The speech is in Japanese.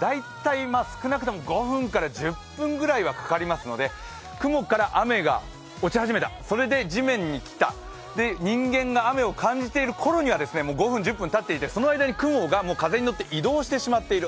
大体、少なくとも５分から１０分ぐらいはかかりますので雲から雨が落ち始めた、それで地面に来た、人間が雨を感じるころにはもう５分、１０分たっていて、もう雲が移動してしまっている。